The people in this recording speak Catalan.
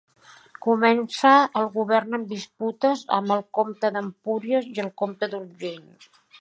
Començà el govern amb disputes amb el comte d'Empúries i el comte d'Urgell.